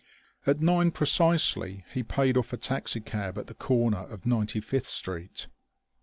At nine precisely he paid off a taxicab at the corner of Ninety fifth Street.